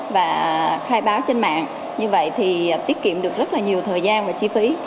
và khai báo trên mạng như vậy thì tiết kiệm được rất là nhiều thời gian và chi phí